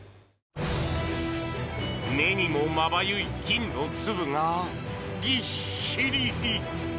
目にもまばゆい金の粒がぎっしり！